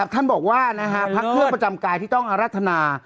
ท่านบอกว่าพักเพื่อประจำกายที่ต้องอรัฐนา